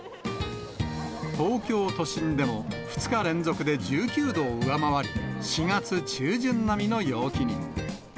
東京都心でも、２日連続で１９度を上回り、４月中旬並みの陽気に。